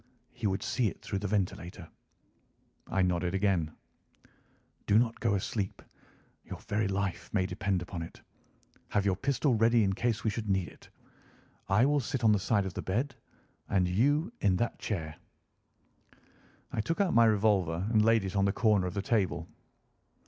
He would see it through the ventilator." I nodded again. "Do not go asleep; your very life may depend upon it. Have your pistol ready in case we should need it. I will sit on the side of the bed, and you in that chair." I took out my revolver and laid it on the corner of the table.